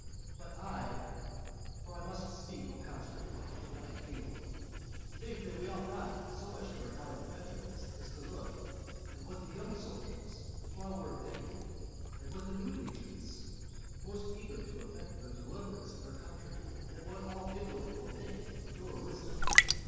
But I (for I must speak, O conscript fathers, what I feel,) think that we ought not so much to regard the veterans, as to look at what the young soldiers, the flower of Italy at what the new legions, most eager to effect the deliverance of their country at what all Italy will think of your wisdom.